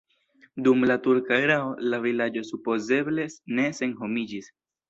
Dum la turka erao la vilaĝo supozeble ne senhomiĝis.